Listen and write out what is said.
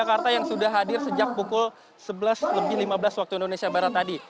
jakarta yang sudah hadir sejak pukul sebelas lebih lima belas waktu indonesia barat tadi